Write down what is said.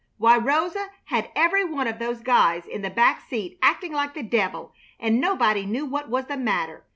Why, Rosa had every one of those guys in the back seat acting like the devil, and nobody knew what was the matter.